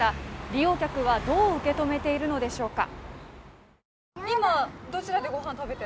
利用客はどう受け止めているのでしょうか？